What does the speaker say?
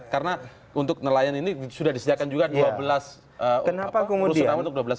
karena untuk nelayan ini sudah disediakan juga dua belas usul nama untuk dua belas milion nelayan